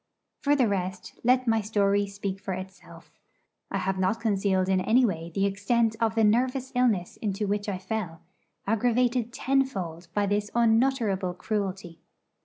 For the rest, let my story speak for itself. I have not concealed in any way the extent of the nervous illness into which I fell, aggravated tenfold by this unutterable cruelty.